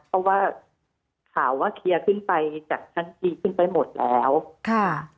เพราะว่าข่าวว่าเคลียร์ขึ้นไปจากชั้นทีขึ้นไปหมดแล้วค่ะ